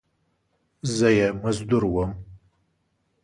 زه یې مزدور وم !